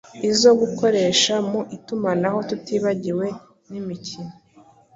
izo gukoresha mu itumanaho tutibagiwe n’imikino